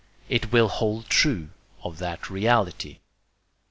It will hold true of that reality.